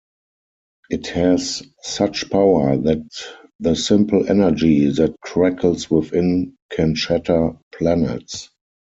It has such power that the simple energy that crackles within can shatter planets.